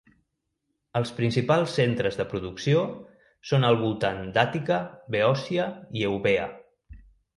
Els principals centres de producció són al voltant d'Àtica, Beòcia i Eubea.